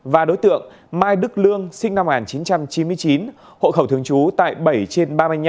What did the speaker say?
và đối tượng mai đức lương sinh năm một nghìn chín trăm chín mươi chín hộ khẩu thường trú tại bảy trên ba mươi năm